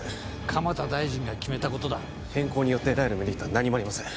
蒲田大臣が決めたことだ変更によって得られるメリットは何もありません